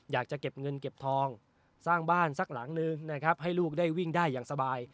อยากจะเก็บเงินเก็บทองสร้างบ้านสักหลังนึงนะครับให้ลูกได้วิ่งได้อย่างสบาย